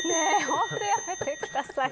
本当、やめてください。